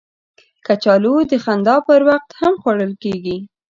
کچالو د خندا پر وخت هم خوړل کېږي